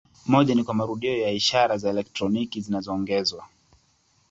Moja ni kwa marudio ya ishara za elektroniki zinazoongezwa.